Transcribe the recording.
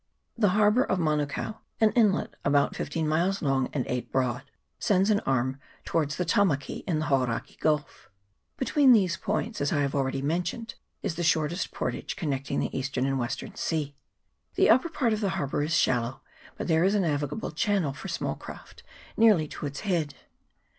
The harbour of Manukao, an inlet about fifteen miles long and eight broad, sends an arm towards the Tamaki in the Hauraki Gulf. Between these points, as I have already mentioned, is the shortest portage connecting the eastern and the western sea. The upper part of the harbour is shallow, but there CHAP. XXI.] COUNTRY NEAR MANUKAO. 293 is a navigable channel for small craft nearly to its head.